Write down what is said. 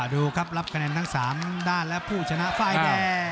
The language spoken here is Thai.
ดูครับรับคะแนนทั้ง๓ด้านและผู้ชนะไฟแดง